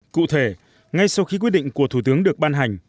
cụ thể ngay sau khi quyết định của thủ tướng được ban hành